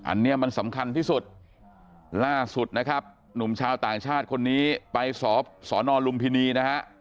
อันนี้มันสำคัญที่สุดล่าสุดนะครับหนุ่มชาวต่างชาติคนนี้ไปสอบสอนอลุมพินีนะฮะ